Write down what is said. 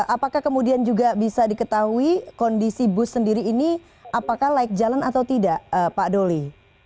apakah kemudian juga bisa diketahui kondisi bus sendiri ini apakah naik jalan atau tidak pak doli